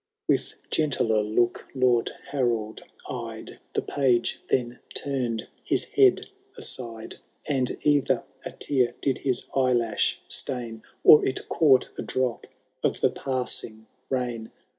XIX. With gentler look Lord Harold eyed The Page, then tum*d his head aside ; And either a tear did his eyelash stain, Or it caught a drop of the passing rain.